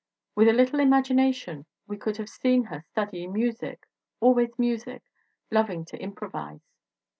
With a little imagination we could have seen her studying music, always music, loving to improvise.